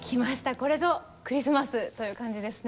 これぞクリスマスという感じですね。